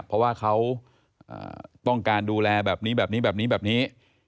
เพราะว่าเขาต้องการดูแลแบบนี้แบบนี้แบบนี้